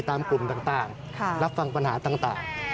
ตามกลุ่มต่างรับฟังปัญหาต่าง